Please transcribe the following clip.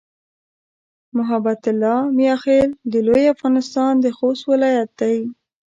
محبت الله "میاخېل" د لوی افغانستان د خوست ولایت دی.